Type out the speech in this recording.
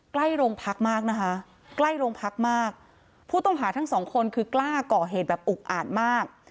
ใกล้โรงพักมากนะคะใกล้โรงพักมากผู้ต้องหาทั้งสองคนคือกล้าก่อเหตุแบบอุกอาดมาก